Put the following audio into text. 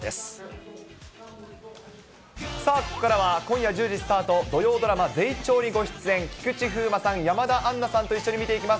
ここからは、今夜１０時スタート、土曜ドラマ、ゼイチョーにご出演、菊池風磨さん、山田杏奈さんと一緒に見ていきます。